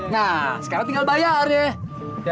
nah sekarang tinggal bayar deh